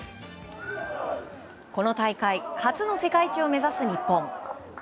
この大会初の世界一を目指す日本。